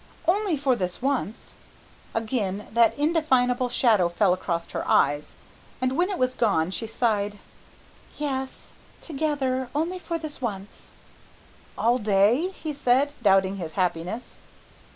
"Only for this once." Again that indefinable shadow fell across her eyes, and when it was gone she sighed. "Yes, together, only for this once." "All day?" he said, doubting his happiness.